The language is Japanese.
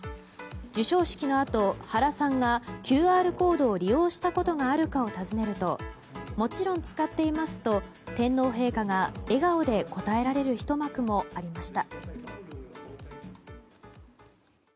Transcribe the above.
授賞式のあと、原さんがＱＲコードを利用したことがあるかを尋ねるともちろん使っていますと天皇陛下が笑顔で答えられるひと幕もありました。